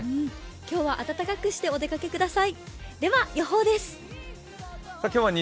今日は温かくしてお出かけください。